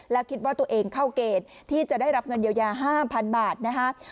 และคิดว่าตัวเองเข้าเกณฑ์ที่จะได้รับเงินเยียวยา๕๐๐๐บาทนะครับ